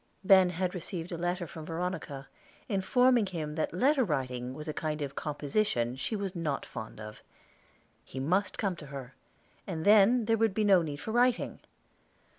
Ben had received a letter from Veronica, informing him that letter writing was a kind of composition she was not fond of. He must come to her, and then there would be no need for writing.